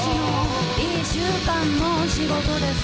「一週間の仕事です」